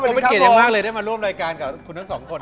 เป็นเกลียดยังมากเลยได้มาร่วมรายการกับคุณนั้นสองคน